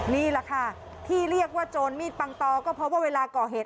นี่แหละค่ะที่เรียกว่าโจรมีดปังตอก็เพราะว่าเวลาก่อเหตุ